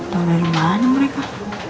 dari mana mereka